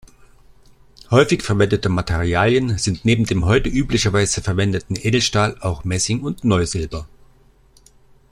Häufig verwendete Materialien sind neben dem heute üblicherweise verwendeten Edelstahl auch Messing und Neusilber.